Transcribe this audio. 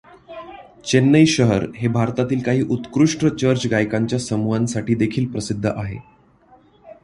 चेन्नई शहर हे भारतातील काही उत्कृष्ठ चर्चगायकांच्या समूहांसाठीदेखिल प्रसिद्ध आहे.